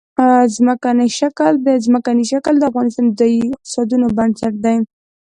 ځمکنی شکل د افغانستان د ځایي اقتصادونو بنسټ دی.